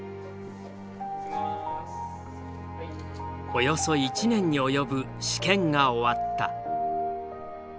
およそ１年に及ぶ試験が終わった。